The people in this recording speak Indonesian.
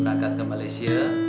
berangkat ke malaysia